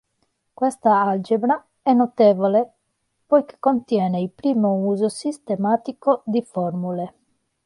Questa algebra è notevole poiché contiene il primo uso sistematico di formule.